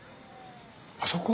あそこ？